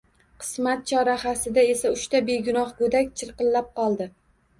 Qismat chorahasida esa uchta begunoh go’dak chirqillab qoldi.